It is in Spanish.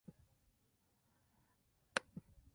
El juego de ida en Asunción terminó empatado a uno.